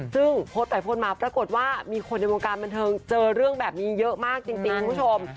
ซึ่งโพสต์ไปโพสต์มาปรากฏว่ามีคนในวงการบันเทิงเจอเรื่องแบบนี้เยอะมากจริงคุณผู้ชม